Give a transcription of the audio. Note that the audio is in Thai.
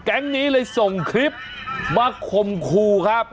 แก๊งนี้เลยส่งคลิปมาข่มครูครับ